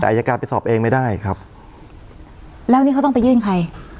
อายการไปสอบเองไม่ได้ครับแล้วนี่เขาต้องไปยื่นใคร